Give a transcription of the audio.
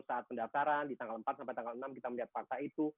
saat pendaftaran di tanggal empat sampai tanggal enam kita melihat fakta itu